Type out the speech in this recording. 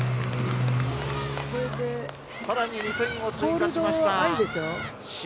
更に２点を追加しました。